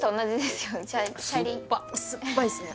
すっぱいっすね